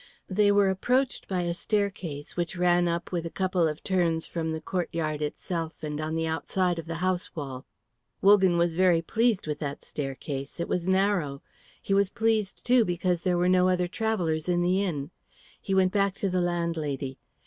They were approached by a staircase, which ran up with a couple of turns from the courtyard itself and on the outside of the house wall. Wogan was very pleased with that staircase; it was narrow. He was pleased, too, because there were no other travellers in the inn. He went back to the landlady.